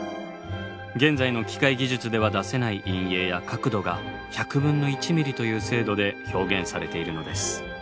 現在の機械技術では出せない陰影や角度が１００分の１ｍｍという精度で表現されているのです。